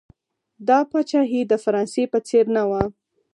دا پاچاهي د فرانسې په څېر نه وه.